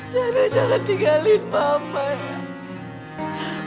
daniel jangan tinggalin mama ya